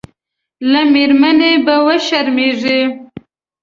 له مېرمنې به وشرمېږي.